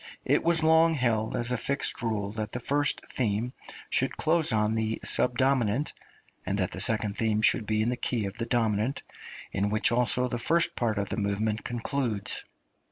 It was long held as a fixed rule that the first theme should close on the subdominant, and that the second theme should be in the key of the dominant, in which also the first part of the movement concludes.